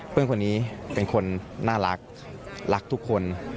เพื่อนคนนี้เป็นคนน่ารักรักทุกคน